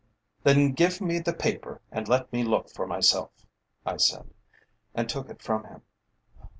"Then give me the paper and let me look for myself," I said, and took it from him.